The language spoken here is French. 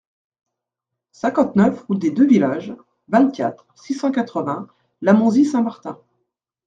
cinquante-neuf route des Deux Villages, vingt-quatre, six cent quatre-vingts, Lamonzie-Saint-Martin